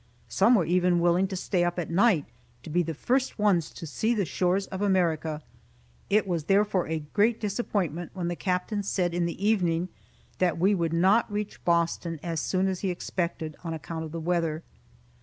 Some were even willing to stay up at night, to be the first ones to see the shores of America. It was therefore a great disappointment when the captain said, in the evening, that we would not reach Boston as soon as he expected, on account of the weather.